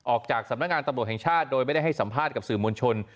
ออกจากสำนักงานตำรวจแห่งชาติโดยไม่ได้ให้สัมภาษณ์กับสื่อมวลชน